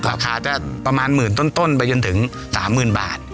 ราคาจะประมาณหมื่นต้นไปจนถึง๓๐๐๐บาท